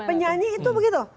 penyanyi itu begitu